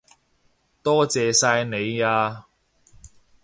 多謝晒你喇